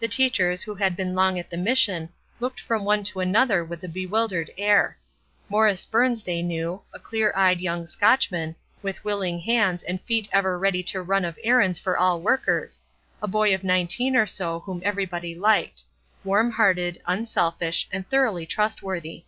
The teachers, who had been long at the Mission, looked from one to another with a bewildered air. Morris Burns they knew, a clear eyed young Scotchman, with willing hands and feet ever ready to run of errands for all workers; a boy of nineteen or so, whom everybody liked; warm hearted, unselfish, and thoroughly trustworthy.